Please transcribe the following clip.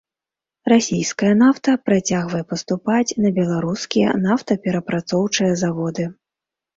Расійская нафта працягвае паступаць на беларускія нафтаперапрацоўчыя заводы.